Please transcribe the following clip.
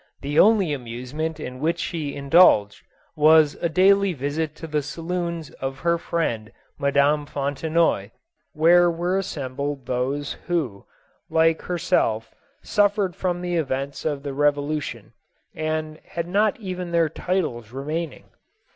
The only amusement in which she indulged was a daily visit to the saloons of her friend Madame Fontenoy, where were assembled those who, like her self suffered from the events of the Revolution, and had not even their titles remaining.